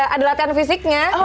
ada latihan fisiknya